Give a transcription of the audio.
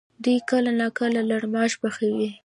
دوی کله ناکله لړماش پخوي؟